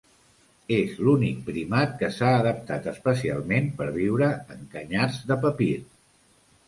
És l'únic primat que s'ha adaptat especialment per viure en canyars de papir.